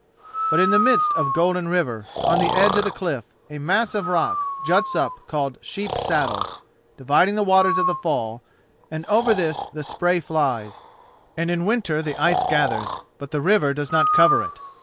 But in the midst of Golden River, on the edge of the cliff, a mass of rock juts up called Sheep saddle, dividing the waters of the fall, and over this the spray flies, and in winter the ice gathers, but the river does not cover it.